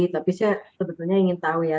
tapi saya sebetulnya ingin tahu ya